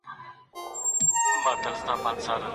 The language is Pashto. که ته هڅه وکړې نو هر منزل ته رسیدای سي.